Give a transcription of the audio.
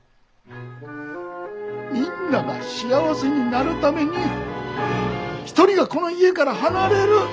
みんなが幸せになるために１人がこの家から離れる。